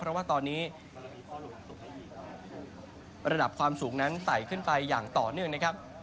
เพราะว่าตอนนี้ระดับความสูงนั้นใส่ขึ้นไปอย่างต่อเนื่องนะครับ